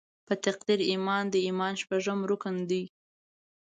په تقدیر ایمان د ایمان شپږم رکن دې.